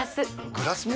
グラスも？